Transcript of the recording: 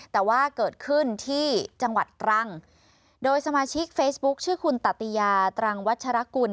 แต่ว่าเกิดขึ้นที่จังหวัดตรังโดยสมาชิกเฟซบุ๊คชื่อคุณตติยาตรังวัชรกุล